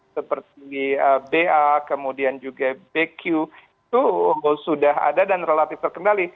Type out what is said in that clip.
seperti ba kemudian juga bq itu sudah ada dan relatif terkendali